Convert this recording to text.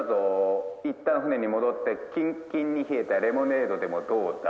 いったん船に戻ってキンキンに冷えたレモネードでもどうだ？」。